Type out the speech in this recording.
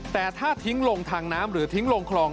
แต่ถ้าทิ้งลงทางน้ำหรือทิ้งลงคลอง